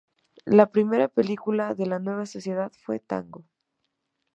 La primera película de la nueva sociedad fue "¡Tango!